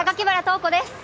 透子です